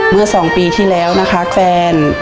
เมื่อ๒ปีที่แล้วนะคะแฟน